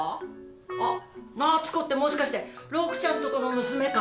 あっ夏子ってもしかしてロクちゃんとこの娘か？